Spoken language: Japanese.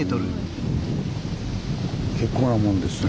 結構なもんですね。